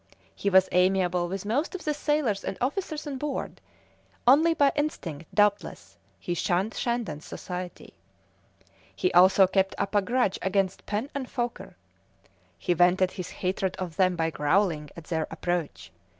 He was amiable with most of the sailors and officers on board, only by instinct, doubtless, he shunned Shandon's society; he also kept up a grudge against Pen and Foker; he vented his hatred of them by growling at their approach.